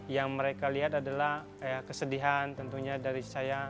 yang mereka lihat adalah kesedihan tentunya dari saya